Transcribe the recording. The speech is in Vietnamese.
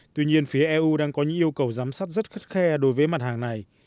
tuy nhiên phía eu đang có những yêu cầu giám sát rất khắt khe đối với mặt hàng này